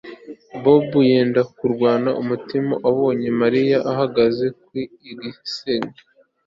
Bobo yenda kurwara umutima abonye Mariya ahagaze ku gisenge